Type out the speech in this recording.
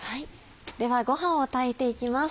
ではご飯を炊いていきます。